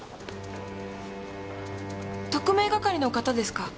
特命係の方ですか？